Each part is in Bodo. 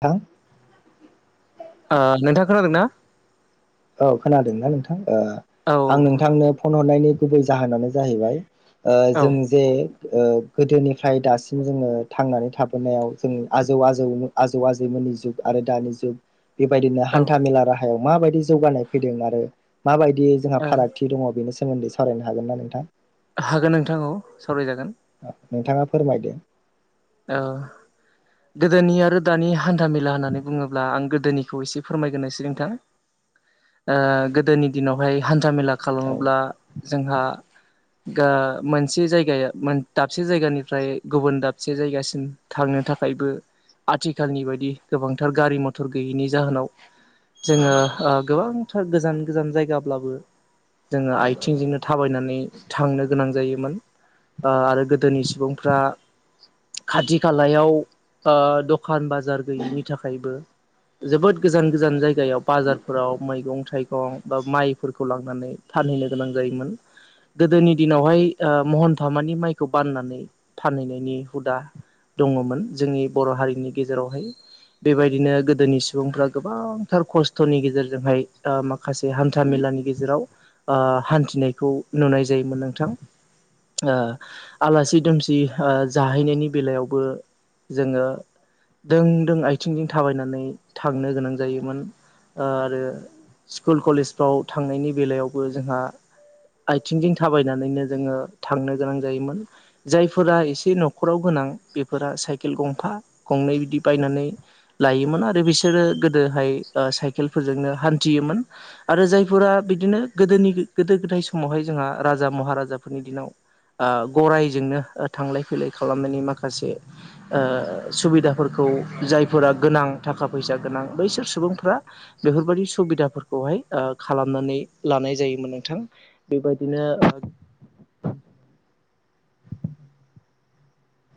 थां ओ नोंथाङा खोनादोंना औ खोनादों ना नोंथां ओ औ आं नोंथांनो फन हरनायनि गुबै जाहोनानो जाहैबाय ओ औ जों जे ओ गोदोनिफ्राय दासिम जोङो थांनानै थाबोनायाव जों आजौ आजौ आजौ आजैमोन नि जुग आरो दानि जुग बेबायदिनो औ हान्था मेला राहायाव माबायदि जौगानाय फैदों आरो माबाय दि जोंहा ओ फारागथि दङ बेनि सोमोन्दै सावरायनो हागोन ना नोंथां। हागोन नोंथां औ सावरायजागोन नोंथाङा फोरमायदो औ गोदोनि आरो दानि हान्थामेला होननानै बुङोब्ला आं गोदोनिखौ एसे फोरमायग्रोनोसै नोंथां ओ गोदोनि दिनावहाय हान्था मेला औ खालामोब्ला जोंहा मोनसे जायगाया दाबसे जायगानिफ्राय गुबुन दाबसे से जायगासिम थांनो थाखायबो आथिखालनि बायदि गोबांथार गारि मथर गैयैनि जाहोनाव जोङो गोबांथार गोजान गोजान जायगाब्लाबो जोङो आथिंजोंनो थाबायनानै थांनो गोनां जायोमोन ओ आरो गोदोनि सुबुंफ्रा खाथि खालायाव ओ दखान बाजार गैयैनि थाखायबो जोबोद गोजान गोजान जायगायाव बाजारफोराव मैगं थाइगं दं बा माइफोरखौ लांनानै फानहैनो गोनां जायोमोन। गोदोनि दिनावहाय ओ महनथामानि माइखौ बाननानै फानहैनायनि हुदा दङमोन जोंनि बर' हारिनि गेजेरावहाय बेबायदिनो गोदोनि सुबुंफ्रा गोबांथार खस्थ'नि गेजेरजोंहाय माखासे हान्था मेला नि गेजेराव ओ हान्थिनायखौ नुनाय जायोमोन नोंथां ओ आलासि दुमसि ओ जाहैनायनि बेलायावबो जोङो दों दों आथिंजों थाबायनानै थांनो गोनां जायोमोन ओ आरो स्कुल कलेजफ्राव थांनायनि बेलायावबो जोंहा आथिंजों थाबायनानैनो जोङो थांनो गोनां जायोमोन जायफोरा इस [unintelligible] न'खराव गोनां बेफोर साइकेल गंफा गंनै बिदि बायनानै लायोमोन आरो बिस [unintelligible] गोदोहाय ओ साइकेलफोरजोंनो हान्थियोमोन आरो जायफोरा बिदिनो गोदोनि गोदो गोदाय समावहाय जोंहा राजा महाराजाफोरनि दिनाव ओ गरायजोंनो आ थांलाय फै फैलाय खालामनायनि माखासे ओ सुबिदाफोरखौ जायफोरा गोनां थाखा फैस सा गोनां बैसोर सुबुंफ्रा बेफोरबायदि सुबिदाफोरखौहाय ओ खालामनानै लानाय जायोमोन। नोंथां बेबायदिनो [inaudible]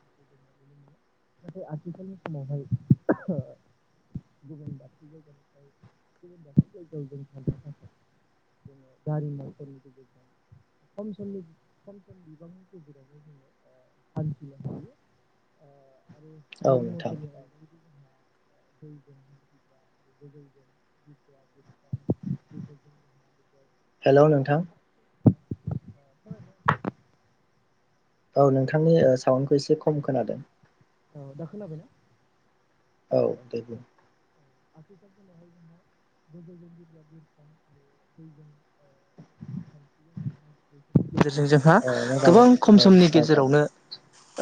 नाथाय [inaudible] [inaudible] [inaudible] [inaudible] [inaudible] औ नोंथां [inaudible] [inaudible] हेलौ नोंथां [inaudible] औ हेलौ नोंथांनि साउडखौ एसे खम खोनादों औ दाखोनाबायना? औ दे बुं [inaudible] जेरजों जोंहा ओ मोजाङै गोबां खम औ समनि औ जागोन गेजेरावनो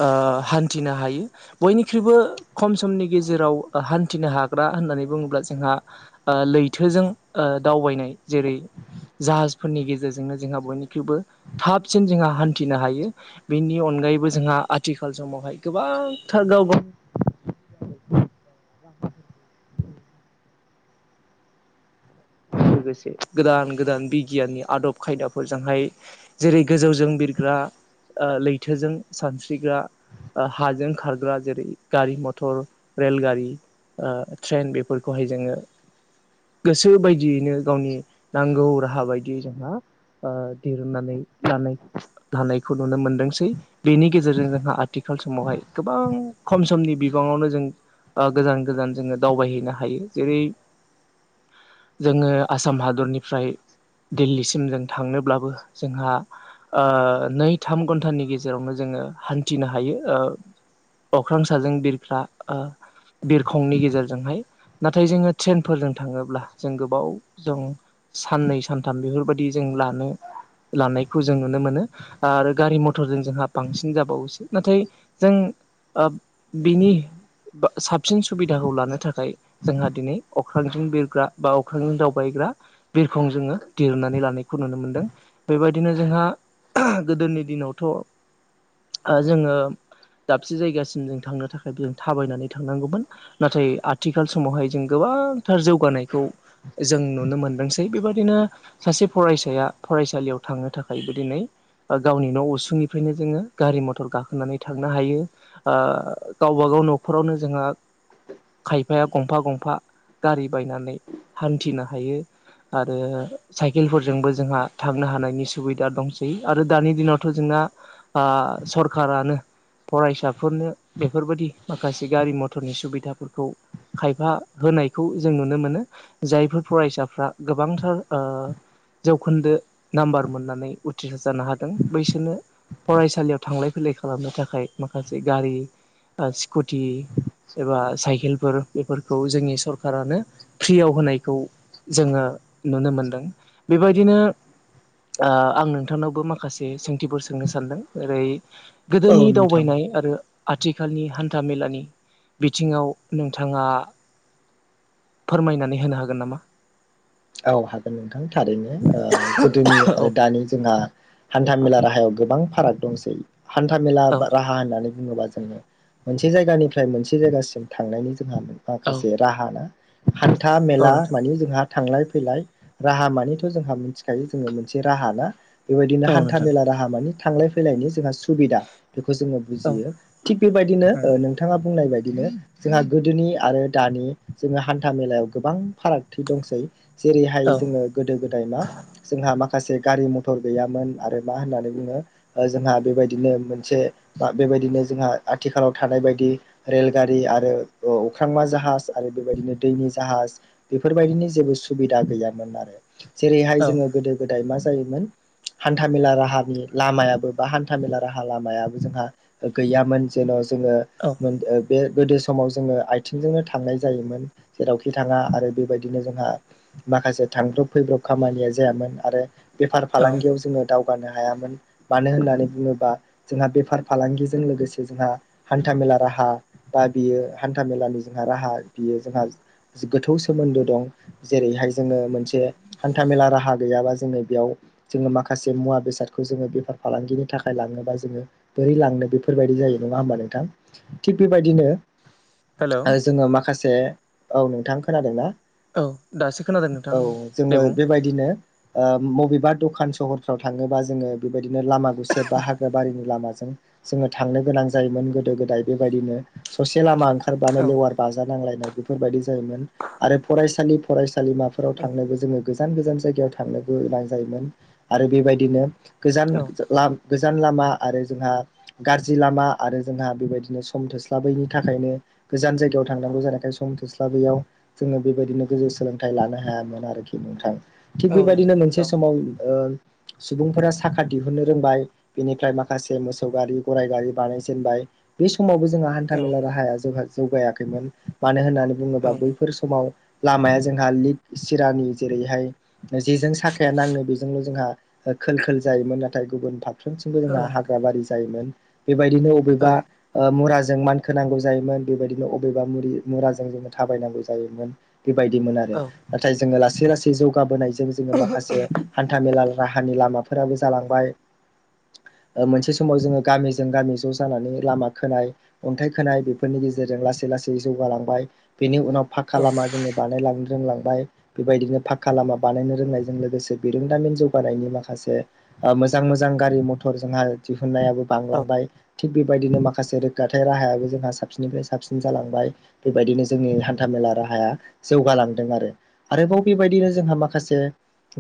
ओ हान्थिनो हायो बयनिख्रुइबो खम समनि गेजेराव हान्थिनो हाग्रा होननानै बुङोब्ला जोंहा ओ लैथोजों ओ दावबायनाय जेरै जाहाजफोरनि गेजेरजोंनो जोंहा बयनिख्रुइबो थाबसिन जोंहा हान्थिनो हायो बेनि अन गायैबो जोंहा आथिखाल समावहाय गोबांथार गावबा [inaudible] [inaudible] लोगोसे गोदान गोदान बिगियाननि आदब खायदाफोरजोंहाय जेरै गोजौजों बिरग्रा ओ लैथोजों सानस्रिग्रा ओ हाजों खारग्रा जेरै गारि मथर रेलगारि ओ ट्रेन बेफोरखौहाय जोङो गोसो बायदि दियैनो गावनि नांगौ राहा बायदियै जोंहा ओ दिरुननानै लानाय लानायखौ नुनो मोनदोंसै। बेनि गेजेरजों जोंहा आथिखाल आथिखाल समावहाय गोबां खम समनि बिबाङावनो जों ओ गोजान गोजान जोङो दावबायहैनो हायो। जेरै [inaudible] जोङो आसाम हादरनिफ्राय दिल्लीसिम जों थांनोब्लाबो जोंहा ओ नै थाम घन्टानि गेजेरावनो जों हान्थिनो हायो ओ अख्रां साजों बिरग्रा ओ बिरखंनि गेजेरजोंहाय। नाथाय जोङो ट्रेनफोरजों थाङोब्ला जों गोबाव जों साननै सानथाम बेफोरबायदि जों लानो लानायखौ जों नुनो मोनो। ओ आरो गारि मथरजों जोंहा बांसिन जाबावोसै। नाथाय जों ओ बिनि बा साबसिन सुबिदाखौ लानो थाखाय जोंहा दिनै अख्रांजों बिरग्रा बा अख्रांजों दावबायग्रा बिरखं जोङो दिरनानै लानायखौ नुनो मोन्दों। बेबायदिनो जोंहा गोदोनि दिनावथ' जोङो दाबसे जायगासिम जों थांनो थाखायबो जों थाबायनानै थांनांगौमोन। नाथाय आथिखाल समावहाय जों गोबां गोबांथार जौगानायखौ जों नुनो मोनदोंसै बेबादिनो सासे फरायसाया फरायसालियाव थांनो थाखायबो दिनै गावनि न' उसुंनिफ्रायनो जोङो गारि मथर गाखोनानै थांनो हायो ओ गावबा-गाव- न'खरावनो जोंहा खायफाया गंफा गंफा गारि बायनानै हान्थिनो हायो। आरो साइकेलफोरजोंबो जोंहा थांनो हानायनि सुबिदा दंसै। आरो दानि दिनावथ' जोंना आ सरखारानो फरायसाफोरनो बेफोरबायदि माखासे गारि मथरनि सुबिदाफोरखौ खायफा होनायखौ जों नुनो मोनो। जायफोर फरायसाफ्रा गोबांथार ओ जौखोन्दो नाम्बार मोननानै उथ्रिस्रार जानो हादों बैसोरनो फरायसालियाव थांलाय-फैलाय खालामनो थाखाय माखासे गारि स्कुटि एबा साइकेल- फोर बेफोरखौ जोंनि सरखारानो फ्रियाव होनायखौ जोङो नुनो मोनदों। बेबायदिनो ओ आं नोंथांनावबो माखासे सोंथिफोर सोंनो सानदों। ओरै औ गोदोनि नोंथां दावबायनाय आरो आथिखालनि हान्थाामेलानि बिथिङाव नोंथाङा फोरमायनानै होनो हागोन नामा? औ हागोन नोंथां थारैनो। गोदोनि औ आरो दानि जोंहा हान्था मेला राहायाव गोबां फाराग दंसै। हान्था मेला औ बा राहा होननानै बुङोबा जोङो मोनसे जायगानिफ्राय मोनसे जायगासिम औ थांनायनि [unintelligible] राहा ना? हान्था औ मेला नोंथां माने जोंहा थांलाय-फैलाय फैलाय राहा मानिथ' जोंहा मिथिखायो जोङो मोनसे राहा ना बेबायदिनो औ हान्था नोंथां मेला राहा मानि थांलाय फैलायनि जोंहा सुबिदा। बेखौ जोङो औ बुजियो थिग बेबायदिनो ओ नोंथाङा बुंनाय बायदि बिदिनो जोंहा गोदोनि आरो दानि जोङो हान्था मेलायाव गोबां फारागथि दंसै। जेरैहाय औ जोङो गोदो-गोदाय मा जोंहा मा खा- माखासे गारि मथर गैयामोन आरो मा होननानै बुङो ओ जोंहा बेबायदिनो मोनसे बा बिदिनो जोंहा आथिखालाव थानाय बायदि रेल गारि आरो अख्रांमा जाहाज आरो बेबायदिनो दैनि जाहाज बेफोरबायदिनि जेबो सुब सुबिदा गैयामोन आरो जेरैहाय औ जोङो गोदो-गोदाय मा जायोमोन हान्थामेला राहानि लामायाबो बा हान्थामेला राहा लामायाबो जोंहा गैयामोन जेन' जोङो औ मोन ओ बे गोदो समाव जोङो आइथिंजोंनो थांनाय जायोमोन जेरावखि थाङा आरो बेबायदिनो जोंहा माखासे थांब्रब फैब्रब खामानिया जायामोन आरो बेफार औ फालांगियाव जोङो दाउ मानो होननानै बुङोबा जोंहा बेफार फालांगिजों लोगोसे जोंहा हान्थ मेला मा राहा बा बियो हान्था मेलानि जोंहा राहा बियो जोंहा गोथौ सोमोन्दो दं जेरैहाय जोङो मोनसे हान्था मेला राहा गैयाबा जोङो बेयाव जोङो माखासे मुवा बेसादखौ जोङो बेफार फालांगिनि थाखाय लांनोबा जोंङो बोरै लांनो बेफोरबायदि जायो नङा होमबा नोंथां थिख बेबायदिनो हेलौ जोङो माखासे औ नोंथां खोनादोंना औ दासो खोनादों नोंथां औ दे जोङो बुं बेबायदिनो ओ बबेबा दखान सहरफ्राव थाङोबा जोङो बेबायदिनो लामा गुसेब बा हाग्रा बारिनि लामा जोङो थांनो गोनां जायोमोन गोदो गोदाय बेबायदिनो ससे लामा औ लेवार बाजानांलायनाय बेफोरबायदि जायोमोन आरो फरायसालि फरायसालि फसालिमाफोराव औ थांनोबो जोङो गोजान गोजान जायगायाव थांनोबो गोनां जायोमोन आरो बेबायदिनो गोजान औ गोजान लामा गोजान लामा आरो जोंहा गाज्रि लामा आरो जोंहा बेबायदिनो सम थोस्लाबैनि थाखायनो गोजान जायगायाव थांनांगौ जानायखाय सम थोस्लाबैयाव जोङो बेबायदिनो गो सोलोंथाइ लानो हायामोन आरोखि नोंथां थिग औ बेबायदिनो नोंथां मोनसे औ समाव ओ सुबुंफोरा साखा दिहुननो रोंबाय बेनिफ्राय माखासे मोसौ गारि गराइ गारि बानायजेनबाय बेस समावबो जोंहा हान्था मेला राहाया जोंहा जौगायाखैमोन मानो होननानै बुङोबा औ बैफोर समाव लामाया जोंहा लिग सिरानि जेरैहाय जेजों साखाया नाङो बेजोंनो जोंहा खोल खोल जायोमोन नाथाय गुबुन बाग फारफ्रोमथिंबो औ जोंहा हाग्रा बारि जायोमोन बेबायदिनो औ अबेबा ओ मुरा जों मानखोनांगौ जायोमोन बेबायदिनो अबेबा मुरि मुराजों जोङो थाबायनांगौ जायोमोन बेबायदि बिदिमोन आरो औ नाथाय जोङो लासै लासै जौगाहोनायजों जोङो माखासे हान्था मेला राहानि लामाफोराबो जालांबाय मोनसे समाव जोङो गामिजों गामि ज' जानानै लामा खोनाय अन्थाइ खोनाय बेफोरनि गेजेरजों लासै लासै गासै जौगालांबाय बेनि उनाव फाक्खा लामा जोङो बानायलांनो रोंलांबाय बेबायदिनो फाखक्का लामा बानायनो रोंनायजों लोगोसे बिरोंदामिन जौगानायनि माखासे मोजां मोजां गारि मथर जोंहा दिहुननायाबो औ बांलांबाय थिग बेबायदिनो माखासे रोगगाथाय राहायाबो जोंहा साबसिननिफ्राय साबसिन जालांबाय बेबायदिनो जोंनि हान्था मेला राहाया जौगालांदों आरो आरोबाव बेबायदिनो जोंहा माखासे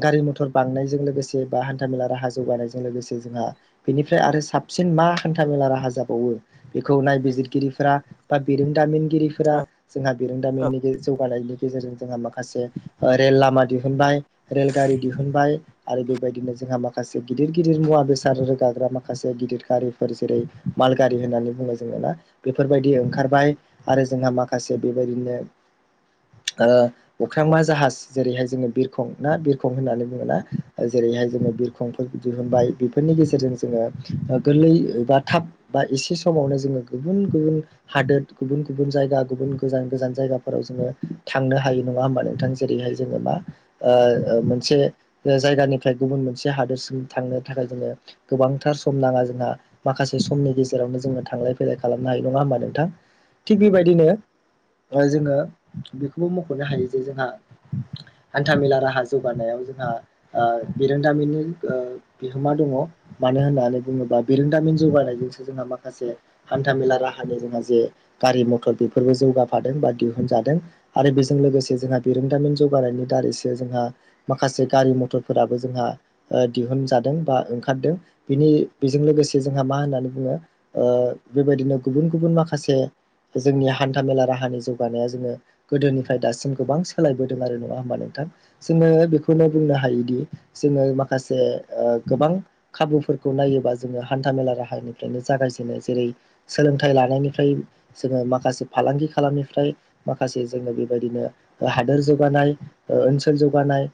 गारि मथर बांनायजों लोगोसे बा हान्थामेला राहा जौगानायजों लोगोसे जोंहा बेनिफ्राय आरो साबसिन मा हान्था मेला राहा जाबावो बेखौ नायबिजिरगिरिफोरा बा बिरोंदामिन गिरिफोरा औ जोंहा औ बेरोंदामिननि जौगानायनि गेजेरजों जोंहा माखासे रेल लामा दिहुनबाय रेल गारि दिहुनबाय आरो बेबायदिनो जोंहा माखासे गिदिर गिदिर मुवा बेसाद रोगाग्रा माखासे गिदिर गारिफोर जेरै माल गारि होननानै जोङो ना बेफोरबायदि ओंखारबाय आरो जोंहा माखासे बेबायदिनो अख्रांमा जाहाज जेरैहाय जोङो बिरखं ना बिरखं होननानै बुङोना जेरैहाय बिरखं थायखौ दिहुनबाय बेफोरनि गेजेरजों लोगोसे जोङो गोरलै बा थाब एसे बे समावनो जोङो गुबुन गुबुन हादोर गुबुन गुबुन जायगा गुबुन गोजान गोजान जायगाफोराव जोङो थांनो हायो नङा होमबा नोंथां जेरैहाय जोङो मा ओ मोनसे जायगानिफ्राय गुबुन मोनसे हादोरसिम थांनो थाखाय जोङो गोबांथार सम नाङा जोंहा माखासे समनि गेजेरावनो जोङो थांलाय फैलाय खालामनो हायो नङा होमबा नोंथां थिग बेबायदिनो जोङो बेखौबो मख'नो हायो जे जोंहा हान्थामेला राहा जौगानायाव जोंहा बिरोंदामिननि बिहोमा दङ मानो होननानै बुङोबा बिरोंदामिन जौगानायजोंसो जोंहा माखासे हान्थामेला राहानि जोंहा जे गारि मथर बेफोरबो जौगाफादों बाखि जादों आरो बेजों लोगोसे जोंहा बिरोंदामिन जौगानायनि दारैसो जोंहा माखासे गारि मथर फोराबो जोंहा ओ दिहुनजादों बा ओंखारदों बेनि बेजों लोगोसे जोंहा मा होननानै ओ बेबायदिनो गुबुन गुबुन माखासे जोंनि हान्था मेला राहानि जौगा जोङो गोदोनिफ्राय दासिम गोबां सोलायबोदों आरो नङा होमबा नोंथां जोङो बेखौनो बुंनो हायो थायोदि जोङो माखासे ओ गोबां खाबुफोरखौ नायोबा जोङो हान्था मेला राहाया बेनिफ्रायनो जागायजेनो जेरै सोलोंथाइ लानायनिफ्राय जोङो माखासे फालांगि खालामनिफ्राय माखासे जोङो बेबायदिनो हादोर जौगानाय ओ ओनसोल जौगानाय